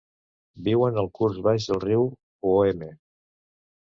Viuen al curs baix del riu Ouémé.